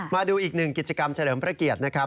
มาดูอีกหนึ่งกิจกรรมเฉลิมพระเกียรตินะครับ